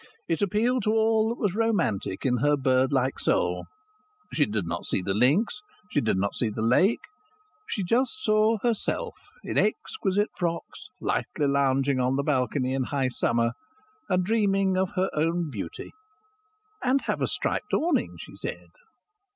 It appealed to all that was romantic in her bird like soul. She did not see the links; she did not see the lake; she just saw herself in exquisite frocks, lightly lounging on the balcony in high summer, and dreaming of her own beauty. "And have a striped awning," she said.